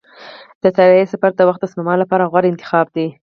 د طیارې سفر د وخت د سپما لپاره غوره انتخاب دی.